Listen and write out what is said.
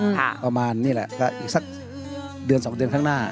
ประมาณนี่แหละก็อีกสักเดือนสองเดือนข้างหน้า